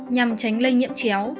nhằm tránh lây nhiễm chéo